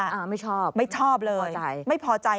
อ่าไม่ชอบไม่ชอบเลยไม่พอใจไม่พอใจ